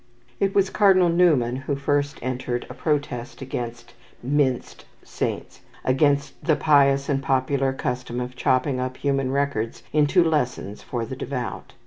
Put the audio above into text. It was Cardinal Newman who first entered a protest against "minced" saints, against the pious and popular custom of chopping up human records into lessons for the devout.